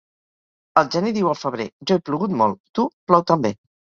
El gener diu al febrer: jo he plogut molt; tu, plou també.